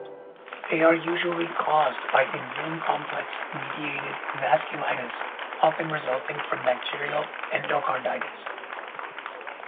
They are usually caused by immune complex mediated vasculitis often resulting from bacterial endocarditis.